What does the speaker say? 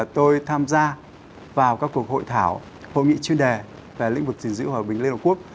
tôi tham gia vào các cuộc hội thảo hội nghị chuyên đề về lĩnh vực giữ dữ của liên hợp quốc